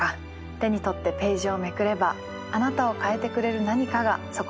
手に取ってページをめくればあなたを変えてくれる何かがそこにあるかもしれません。